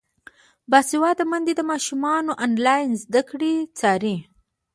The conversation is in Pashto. باسواده میندې د ماشومانو انلاین زده کړې څاري.